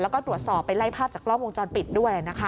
แล้วก็ตรวจสอบไปไล่ภาพจากกล้องวงจรปิดด้วยนะคะ